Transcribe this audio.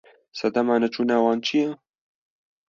Sedema neçûna wan çi ye?